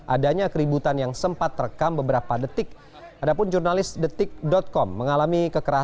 adanya keributan yang sempat terjadi di lokasi acara